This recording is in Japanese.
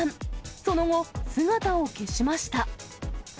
その後、姿を消しました。